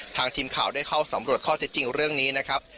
ทีมข่าวได้เข้าสำรวจข้อเท็จจริงเรื่องนี้นะครับ